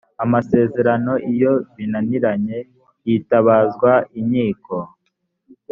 amasezerano iyo binaniranye hitabazwa inkiko